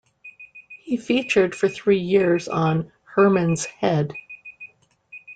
He featured for three years on "Herman's Head".